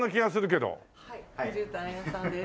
はいじゅうたん屋さんです。